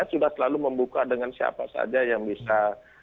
sudah selalu membuka dengan siapa saja yang bisa